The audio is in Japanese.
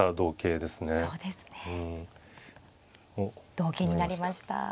同形になりました。